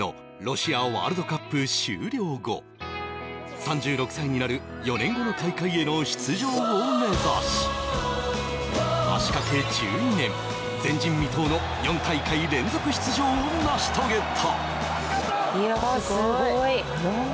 ３６歳になる４年後の大会への出場を目指し足かけ１２年、前人未到の４大会連続出場を成し遂げた。